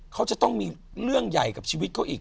เขาจะต้องมีเรื่องใหญ่กับชีวิตเขาอีก